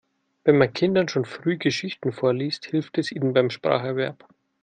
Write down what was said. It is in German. Wenn man Kindern schon früh Geschichten vorliest, hilft es ihnen beim Spracherwerb.